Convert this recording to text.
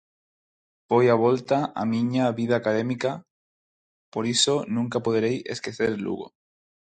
Foi a volta á miña vida académica, por iso nunca poderei esquecer Lugo.